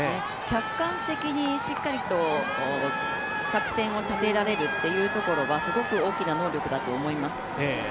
客観的にしっかりと作戦を立てられるというところはすごく大きな能力だと思います。